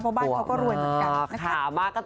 เพราะบ้านเขาก็รวยเหมือนกันนะคะ